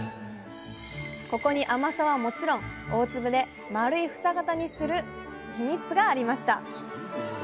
ここに甘さはもちろん大粒で丸い房型にするヒミツがありました。